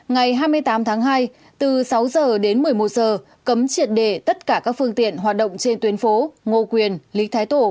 ngày hai mươi tám tháng hai từ sáu h đến một mươi một h cấm triệt đề tất cả các phương tiện hoạt động trên tuyến phố ngô quyền lịch thái tổ